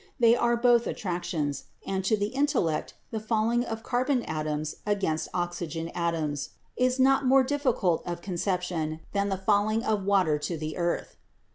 They are both attractions ; and, to the intellect, the falling of carbon atoms against oxygen atoms is not more 28 BIOLOGY difficult of conception than the falling of water to the earth.